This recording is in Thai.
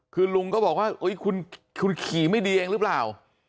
อ๋อคือลุงก็บอกว่าอุ๊ยคุณคุณขี่ไม่ดีเองรึเปล่า